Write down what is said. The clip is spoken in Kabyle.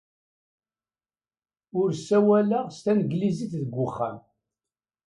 Ur ssawaleɣ s tanglizit deg wexxam.